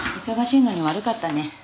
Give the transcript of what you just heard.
忙しいのに悪かったね。